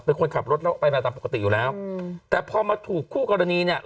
เป็นคนขับรถแล้วไปมาตามปกติอยู่แล้วอืมแต่พอมาถูกคู่กรณีเนี่ย